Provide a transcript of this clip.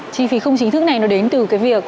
chi phí không chính thức này nó đến từ cái việc